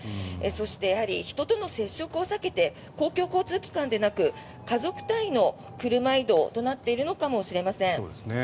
そして、人との接触を避けて公共交通機関ではなく家族単位の車移動となっているのかもしれません。